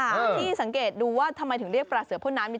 ที่สังเกตดูว่าทำไมถึงเรียกปลาเสือพ่นน้ำมี